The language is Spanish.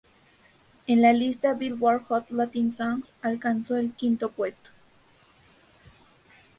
En la lista "Billboard Hot Latin Songs" alcanzó el quinto puesto.